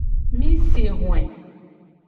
Mi si hoe.